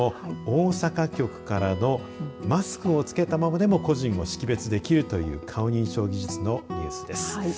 大阪局からのマスクを着けたままでも個人を識別できるという顔認証技術のニュースです。